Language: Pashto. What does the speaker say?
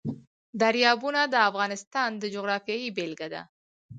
دریابونه د افغانستان د جغرافیې بېلګه ده.